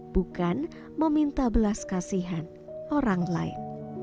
bukan meminta belas kasihan orang lain